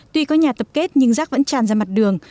tuy có nhà tập kết nhưng rác vẫn tràn ra mặt đường